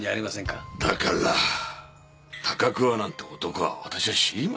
だから高桑なんて男はわたしは知りません。